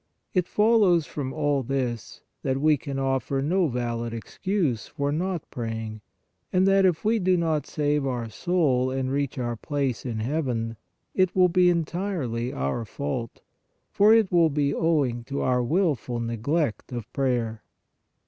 It follows from all this that we can offer no valid excuse for not praying, and that, if we do not save our soul and reach our place in heaven, it will be entirely our fault, for it will be owing to our wilful neglect of prayer.